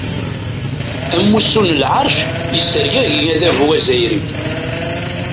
Amussu n leɛrac yessergagi adabu azzayri.